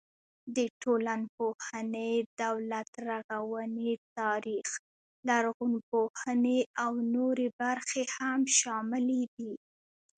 د ټولنپوهنې، دولت رغونې، تاریخ، لرغونپوهنې او نورې برخې هم شاملې دي.